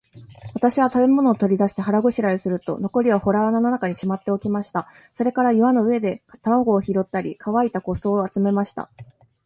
私は食物を取り出して、腹ごしらえをすると、残りは洞穴の中にしまっておきました。それから岩の上で卵を拾ったり、乾いた枯草を集めました。